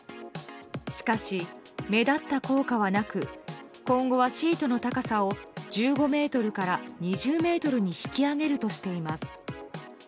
しかし、目立った効果はなく今後はシートの高さを１５ｍから２０ｍに引き上げるとしています。